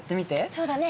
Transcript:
そうだね。